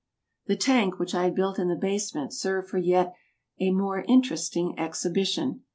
The tank which I had built in the basement served for a yet more interesting exhibition.